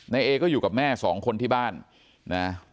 เอก็อยู่กับแม่สองคนที่บ้านนะ